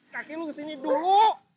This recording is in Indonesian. kaki lo kesini dulu